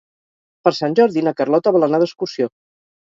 Per Sant Jordi na Carlota vol anar d'excursió.